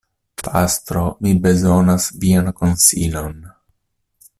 Pastro, mi bezonas vian konsilon.